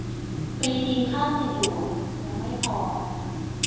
"ปรีดีฆ่าในหลวง !" ยังไม่พอ